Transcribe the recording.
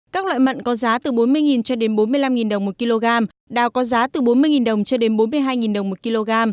các loại mận có giá từ bốn mươi cho đến bốn mươi năm đồng một kg đào có giá từ bốn mươi đồng cho đến bốn mươi hai đồng một kg